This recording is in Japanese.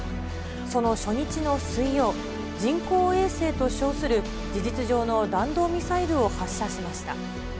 その初日の水曜、人工衛星と称する事実上の弾道ミサイルを発射しました。